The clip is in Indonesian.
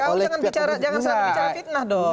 jangan selalu bicara fitnah dong